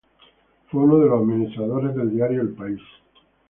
Fue uno de los administradores del diario El País.